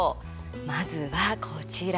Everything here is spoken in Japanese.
まずは、こちら。